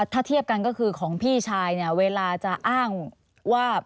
ถ้าเทียบกันก็คือของพี่ชายเนี่ยเวลาจะอ้างว่า